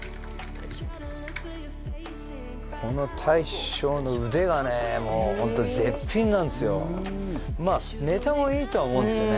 この大将の腕がねもうホント絶品なんですよまあネタもいいとは思うんですよね